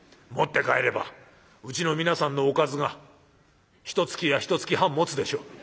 持って帰ればうちの皆さんのおかずがひとつきやひとつき半もつでしょ」。